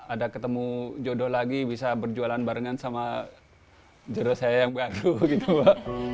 ada ketemu jodoh lagi bisa berjualan barengan sama jero saya yang baru gitu